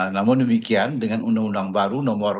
namun demikian dengan undang undang baru nomor